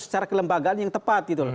secara kelembagaan yang tepat